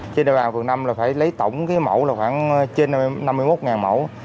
trên địa bàn phường năm là phải lấy tổng cái mẫu là khoảng trên năm mươi một mẫu